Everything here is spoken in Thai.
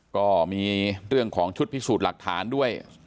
ก็มีเรื่องของชุดพิสูจน์หลักฐานด้วย